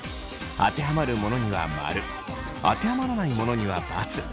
当てはまるものには○当てはまらないものには×。